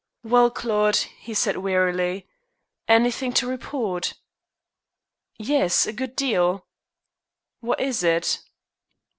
"Well, Claude," he said wearily, "anything to report?" "Yes, a good deal." "What is it?"